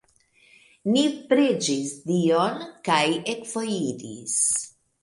Ni preĝis Dion kaj ekvojiris.